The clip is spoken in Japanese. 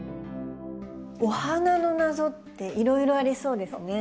お花の謎っていろいろありそうですね。